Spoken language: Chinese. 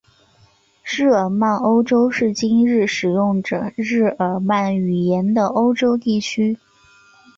日耳曼欧洲是今日使用着日耳曼语言的欧洲地区。